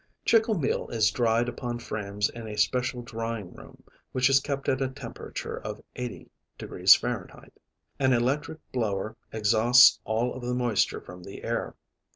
Chicle meal is dried upon frames in a special drying room, which is kept at a temperature of 80° F. An electric blower exhausts all of the moisture from the air.